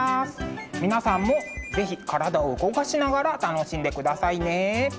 皆さんも是非体を動かしながら楽しんでくださいね。